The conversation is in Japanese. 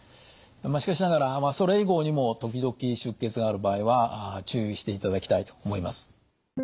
しかしながらそれ以後にも時々出血がある場合は注意していただきたいと思います。